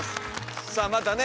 さあまたね